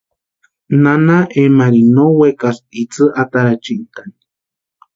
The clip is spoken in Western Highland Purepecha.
Nana Emarini no wekaspti itsï atarachintʼani.